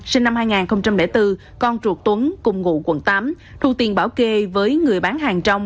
sinh năm hai nghìn bốn con chuột tuấn cùng ngụ quận tám thu tiền bảo kê với người bán hàng trong